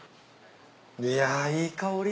いやいい香り。